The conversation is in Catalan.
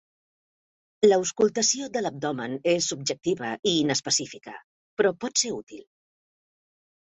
L'auscultació de l'abdomen és subjectiva i inespecífica, però pot ser útil.